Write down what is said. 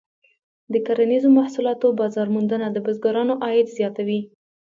د کرنیزو محصولاتو بازار موندنه د بزګرانو عاید زیاتوي.